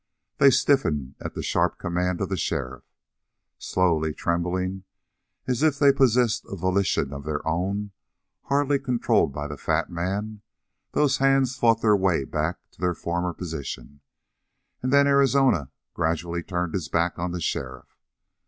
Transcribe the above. They stiffened at the sharp command of the sheriff. Slowly, trembling, as if they possessed a volition of their own hardly controlled by the fat man, those hands fought their way back to their former position, and then Arizona gradually turned his back on the sheriff.